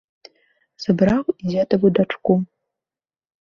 Забраў і дзедаву дачку.